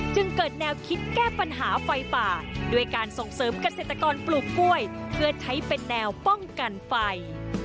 จึงเกิดแนวคิดแก้ปัญหาไฟป่าด้วยการส่งเสริมเกษตรกรปลูกกล้วยเพื่อใช้เป็นแนวป้องกันไฟ